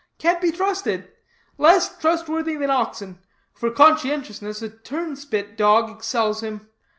Can't be trusted; less trustworthy than oxen; for conscientiousness a turn spit dog excels him.